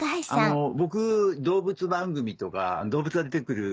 僕動物番組とか動物が出て来る